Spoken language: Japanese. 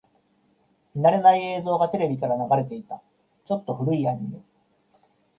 見慣れない映像がテレビから流れていた。ちょっと古いアニメ。